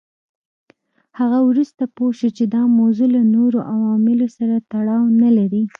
هغه وروسته پوه شو چې دا موضوع له نورو عواملو سره تړاو نه لري.